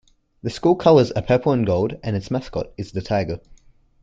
The school colors are purple and gold and its mascot is the tiger.